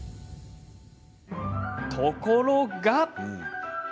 ところが。